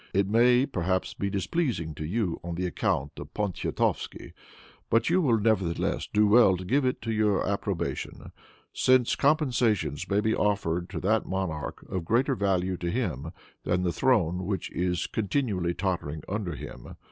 It may perhaps be displeasing to you on account of Poniatowski. But you will nevertheless do well to give it your approbation, since compensations may be offered to that monarch of greater value to him than the throne which is continually tottering under him.